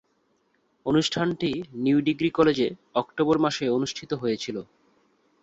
অনুষ্ঠানটি new degree কলেজে October মাসে অনুষ্ঠিত হয়েছিলো।